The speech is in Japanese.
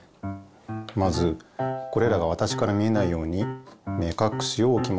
まずこれらがわたしから見えないように目かくしをおきます。